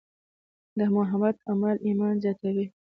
د محبت عمل ایمان زیاتوي.